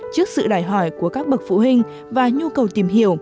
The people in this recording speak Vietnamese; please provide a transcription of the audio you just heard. trước sự đòi hỏi của các bậc phụ huynh và nhu cầu tìm hiểu